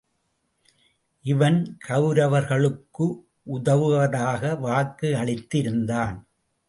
இவன் கவுரவர்களுக்கு உதவுவதாக வாக்கு அளித்து இருந்தான்.